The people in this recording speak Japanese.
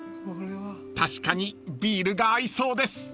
［確かにビールが合いそうです］